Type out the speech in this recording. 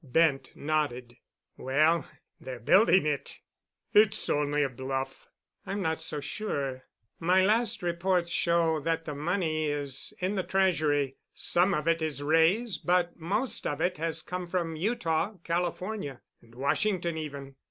Bent nodded. "Well, they're building it." "It's only a bluff." "I'm not so sure. My last reports show that the money is in the treasury—some of it is Wray's, but most of it has come from Utah, California, and Washington even.